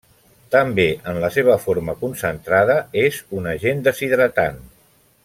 També, en la seva forma concentrada, és un agent deshidratant.